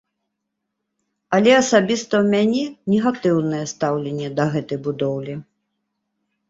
Але асабіста ў мяне негатыўнае стаўленне да гэтай будоўлі.